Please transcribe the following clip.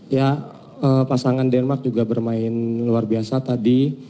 ya pasangan denmark juga bermain luar biasa tadi